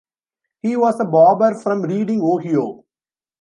He was a barber from Reading, Ohio.